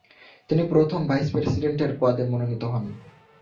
তিনি প্রথম ভাইস প্রেসিডেন্টের পদে মনোনীত হন।